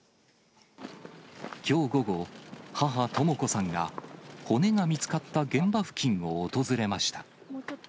きょう午後、母、とも子さんが、骨が見つかった現場付近を訪れました。